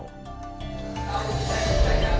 kita harus menjaga kebangsaan